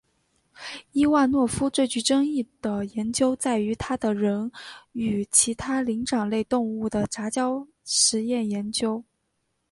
伊万诺夫最具争议的研究在于他的人与其他灵长类动物的杂交试验研究。